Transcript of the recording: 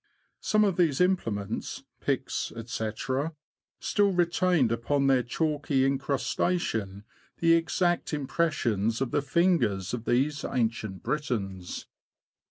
'' Some of these implements — picks, &c. — still retained upon their chalky incrus tation the exact impressions of the fingers of these Ancient Britons.